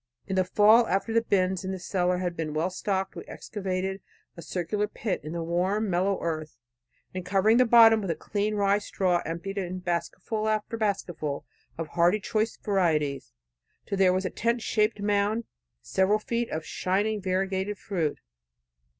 In the fall after the bins in the cellar had been well stocked, we excavated a circular pit in the warm, mellow earth, and covering the bottom with clean rye straw, emptied in basketful after basketful of hardy choice varieties, till there was a tent shaped mound several feet high of shining variegated fruit.